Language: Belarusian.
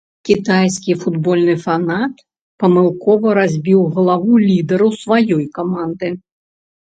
Кітайскі футбольны фанат памылкова разбіў галаву лідару сваёй каманды.